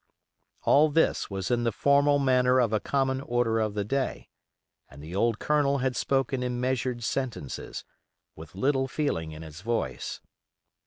All this was in the formal manner of a common order of the day; and the old Colonel had spoken in measured sentences, with little feeling in his voice.